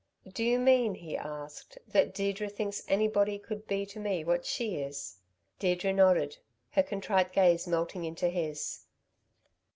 "Do you mean," he asked, "that Deirdre thinks anybody could be to me what she is?" Deirdre nodded, her contrite gaze melting into his.